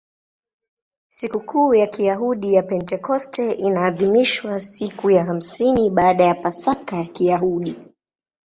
Sikukuu ya Kiyahudi ya Pentekoste inaadhimishwa siku ya hamsini baada ya Pasaka ya Kiyahudi.